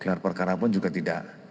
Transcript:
gelar perkara pun juga tidak